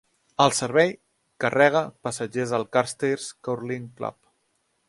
El servei carrega passatgers al Carstairs Curling Club.